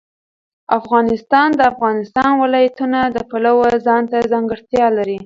افغانستان د د افغانستان ولايتونه د پلوه ځانته ځانګړتیا لري.